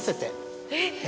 えっ！